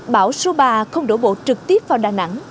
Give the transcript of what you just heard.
bão số ba không đổ bộ trực tiếp vào đà nẵng